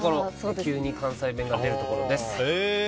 急に関西弁が出るところです。